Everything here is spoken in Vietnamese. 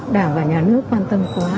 đảng và nhà nước quan tâm quá